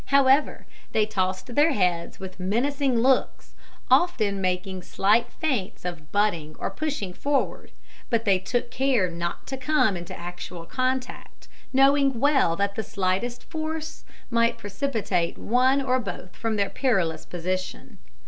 However, they tossed their heads with menacing looks, often making slight feints of butting or pushing forward; but they took care not to come into actual contact, knowing well that the slightest force might precipitate one or both from their perilous position.